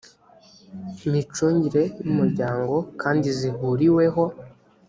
micungire y umuryango kandi zihuriweho